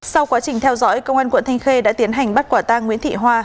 sau quá trình theo dõi công an quận thanh khê đã tiến hành bắt quả tang nguyễn thị hoa